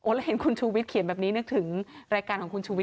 แล้วเห็นคุณชูวิทเขียนแบบนี้นึกถึงรายการของคุณชูวิท